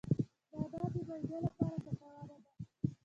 نعناع د معدې لپاره ګټوره ده